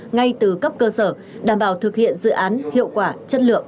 ngay từ cấp cơ sở đảm bảo thực hiện dự án hiệu quả chất lượng